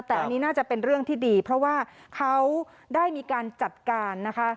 แต่อันนี้น่าจะเป็นเรื่องที่ดีเพราะว่าเขาได้มีการจัดการนะคะ